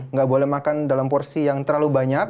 nggak boleh makan dalam porsi yang terlalu banyak